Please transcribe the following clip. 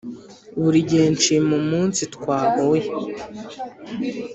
buri gihe nshima umunsi twahuye